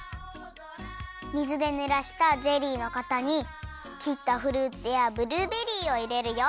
水でぬらしたゼリーのかたにきったフルーツやブルーベリーをいれるよ！